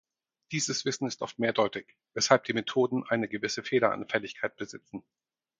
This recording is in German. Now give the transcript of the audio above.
Dieses Wissen ist oft mehrdeutig, weshalb die Methoden eine gewisse Fehleranfälligkeit besitzen.